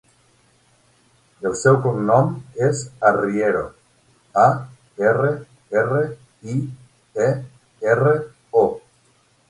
El seu cognom és Arriero: a, erra, erra, i, e, erra, o.